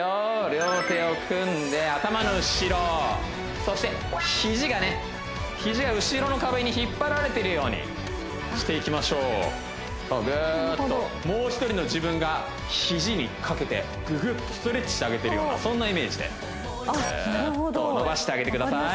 両手を組んで頭の後ろそしてヒジがねヒジが後ろの壁に引っ張られているようにしていきましょうそうグーっともう一人の自分がヒジにかけてググっとストレッチしてあげてるようなそんなイメージでグーっと伸ばしてあげてください